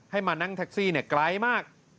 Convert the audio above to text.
มานั่งแท็กซี่ไกลมาก